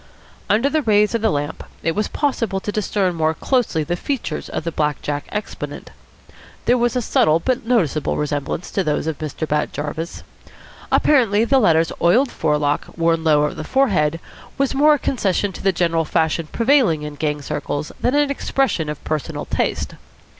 Under the rays of the lamp it was possible to discern more closely the features of the black jack exponent. There was a subtle but noticeable resemblance to those of Mr. Bat Jarvis. Apparently the latter's oiled forelock, worn low over the forehead, was more a concession to the general fashion prevailing in gang circles than an expression of personal taste.